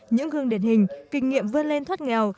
những gương điển hình kinh nghiệm vươn lên thoát nghèo